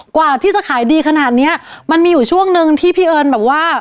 กว่าที่จะขายดีขนาดเนี้ยมันมีอยู่ช่วงนึงที่พี่เอิญแบบว่า